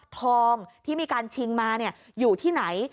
ทองที่มีการชิงมาอยู่ที่ไหน